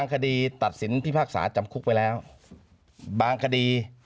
คดีตัดสินพิพากษาจำคุกไปแล้วบางคดี